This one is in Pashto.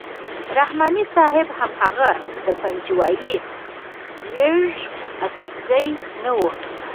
رحماني صاحب هماغه د پنجوایي زېږ اڅکزی نه وو.